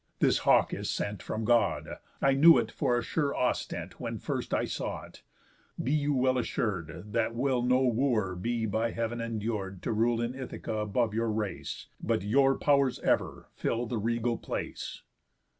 This hawk is sent From God; I knew it for a sure ostent When first I saw it. Be you well assur'd, There will no Wooer be by heav'n endur'd To rule in Ithaca above your race, But your pow'rs ever fill the regal place."